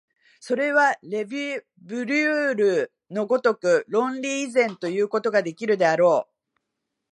それはレヴィ・ブリュールの如く論理以前ということができるであろう。